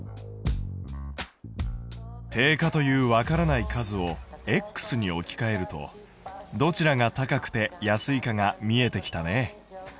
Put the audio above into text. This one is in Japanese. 定価というわからない数をに置きかえるとどちらが高くて安いかが見えてきたね。